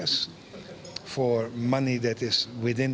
untuk uang yang